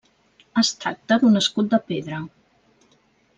Es tracta d'un escut de pedra.